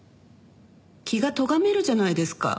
気がとがめるじゃないですか。